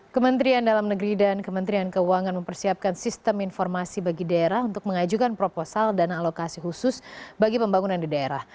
kementerian dalam negeri dan kementerian keuangan mempersiapkan sistem informasi bagi daerah untuk mengajukan proposal dana alokasi khusus bagi pembangunan di daerah